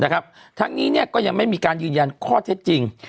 ทั้งนี้ก็ยังไม่มีการยืนยันข้อเท็จจริง